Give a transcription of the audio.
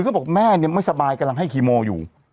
ก็บอกแม่เนี่ยไม่สบายกำลังให้คีโมอยู่